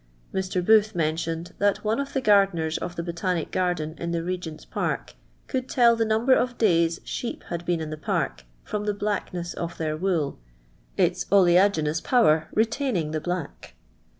Mr. Booth mentioned, that one of the gar deners of the Botanic Garden in the Regent's park, could tell the number of days sheep had been in the park from the blackness of their wool, \ its oleaginous power retaining the black.